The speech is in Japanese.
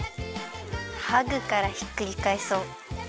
ハグからひっくりかえそう。